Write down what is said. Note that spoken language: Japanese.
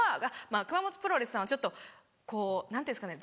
熊元プロレスさんはちょっとこう何ていうんですかね。